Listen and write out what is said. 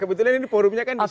kebetulan ini forumnya kan di